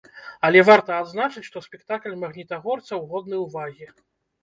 Але варта адзначыць, што спектакль магнітагорцаў годны ўвагі.